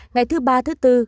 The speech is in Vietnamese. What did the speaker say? ngày thứ ba thứ bốn